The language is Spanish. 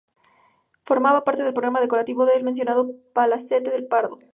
Formaba parte del programa decorativo del mencionado palacete del Pardo.